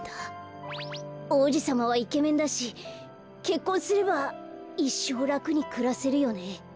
おうじさまはイケメンだしけっこんすればいっしょうらくにくらせるよね。